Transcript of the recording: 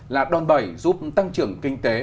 là đòn bẩy giúp tăng trưởng kinh tế